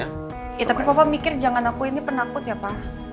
eh tapi papa mikir jangan aku ini penakut ya pak